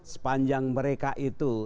sepanjang mereka itu